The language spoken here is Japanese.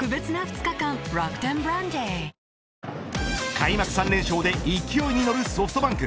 開幕３連勝で勢いに乗るソフトバンク。